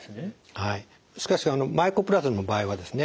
しかしマイコプラズマの場合はですね